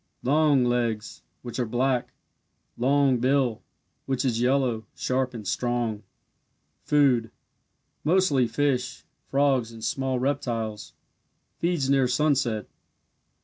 Long legs, which are black. Long bill, which is yellow, sharp, and strong. Food mostly fish, frogs, and small reptiles. Feeds near sunset.